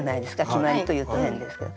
決まりというと変ですけど。